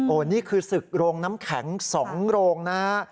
นี่คือศึกโรงน้ำแข็ง๒โรงนะฮะ